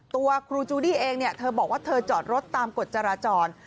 ตัวครูจูดี้เองเนี่ยเธอบอกว่าเธอจอดรถตามกฎจราจร